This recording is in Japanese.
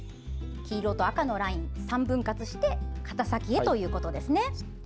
黄色と赤のライン、３分割して肩先へということですね。